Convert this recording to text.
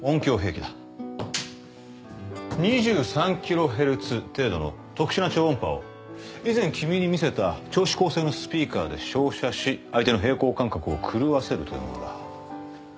２３キロヘルツ程度の特殊な超音波を以前君に見せた超指向性のスピーカーで照射し相手の平衡感覚を狂わせるというものだ。